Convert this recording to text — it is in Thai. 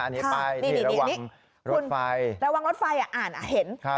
อันนี้ป้ายที่ระวังรถไฟระวังรถไฟอ่ะอ่านอ่ะเห็นครับ